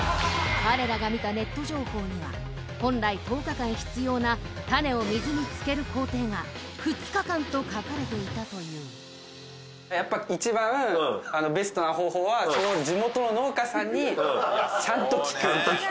彼らが見たネット情報には本来１０日間必要なタネを水に漬ける工程が２日間と書かれていたというやっぱ一番ベストな方法は地元の農家さんにちゃんと聞くちゃんと聞く